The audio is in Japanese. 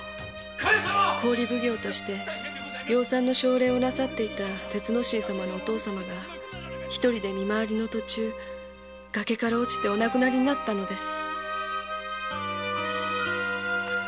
郡奉行として養蚕の奨励をされていた鉄之進様のお父様が独りで見回りの途中崖から落ちて亡くなられたのです。